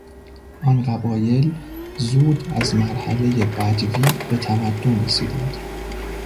آن قبایل زود از مرحلهی بدوی به تمدن رسیدند.